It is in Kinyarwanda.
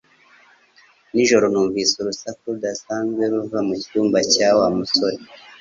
Nijoro numvise urusaku rudasanzwe ruva mucyumba cya Wa musore